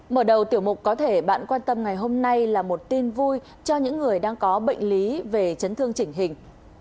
mở đầu tiểu mục có thể bạn quan tâm ngày hôm nay là một tin vui cho những người đang có bệnh lý về chấn thương chỉnh hình